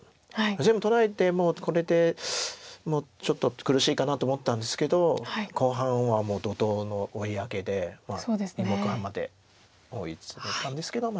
全部取られてもうこれでもうちょっと苦しいかなと思ったんですけど後半はもう怒とうの追い上げで２目半まで追い詰めたんですけどま